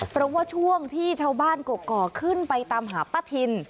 เพราะว่าช่วงที่ชาวบ้านกกอกขึ้นไปตามหาป้าทิน